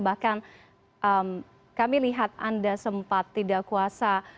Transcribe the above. bahkan kami lihat anda sempat tidak kuasa